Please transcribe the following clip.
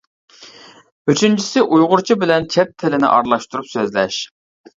ئۈچىنچىسى ئۇيغۇرچە بىلەن چەت تىلىنى ئارىلاشتۇرۇپ سۆزلەش.